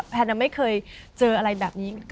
แนนไม่เคยเจออะไรแบบนี้